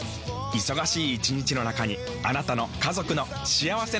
忙しい一日の中にあなたの家族の幸せな時間をつくります。